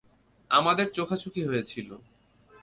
আমাদের চোখাচোখি হয়েছিলো।